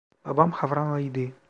Babam Havranlıydı.